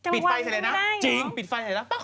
พี่หนูจำว่ามันมีแรงจริง